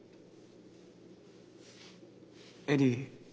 恵里。